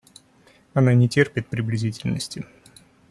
Она не терпит приблизительности.